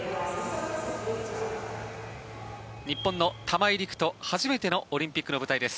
日本の玉井陸斗、初めてのオリンピックの舞台です。